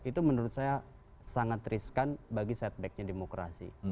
itu menurut saya sangat riskan bagi setbacknya demokrasi